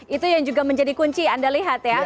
itu yang juga menjadi kunci anda lihat ya